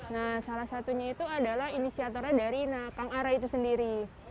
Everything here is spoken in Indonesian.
nah salah satunya itu adalah inisiatornya dari kang ara itu sendiri